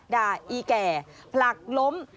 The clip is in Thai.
ด่าอีแก่ผลักล้ม